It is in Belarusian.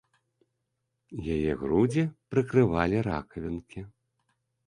Яе грудзі прыкрывалі ракавінкі.